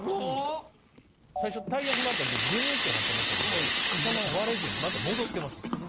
最初タイヤ踏まれた時グニュッてなってましたけどそのまま割れずにまた戻ってます。